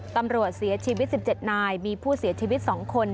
ตำรวจเสียชีวิต๑๗นายมีผู้เสียชีวิต๒คน